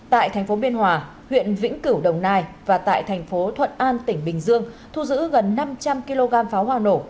tại thành phố biên hòa huyện vĩnh cửu đồng nai và tại thành phố thuận an tỉnh bình dương thu giữ gần năm trăm linh kg pháo hoa nổ